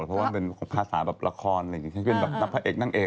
เพราะว่ามันเป็นภาษาแบบละครเป็นแบบนักพระเอกนักเอก